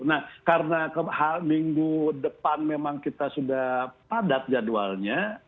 nah karena minggu depan memang kita sudah padat jadwalnya